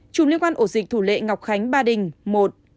sáu chủng liên quan ổ dịch thủ lệ ngọc khánh ba đình một